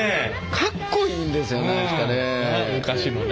かっこいいんですよね。